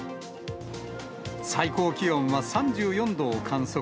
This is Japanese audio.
最高気温は３４度を観測。